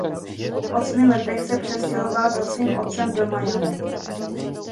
V osmi letech se přestěhoval za svým otcem do Miami.